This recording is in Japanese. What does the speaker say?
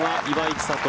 千怜